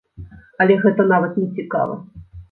Але гэта нават нецікава.